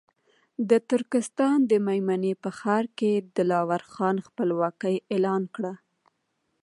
د ترکستان د مېمنې په ښار کې دلاور خان خپلواکي اعلان کړه.